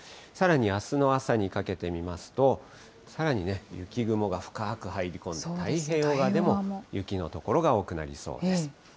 さらにあすの朝にかけて見ますと、さらに雪雲が深く入り込んで、太平洋側も雪の所が多くなりそうです。